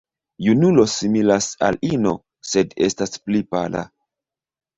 Junulo similas al ino, sed estas pli pala.